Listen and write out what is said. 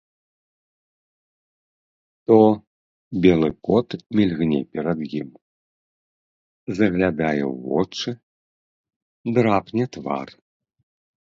То белы кот мільгне перад ім, заглядае ў вочы, драпне твар.